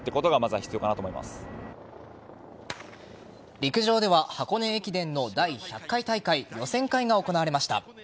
陸上では箱根駅伝の第１００回大会予選会が行われました。